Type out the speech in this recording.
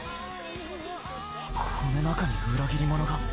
この中に裏切り者が？